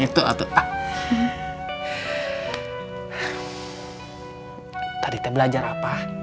tadi teh belajar apa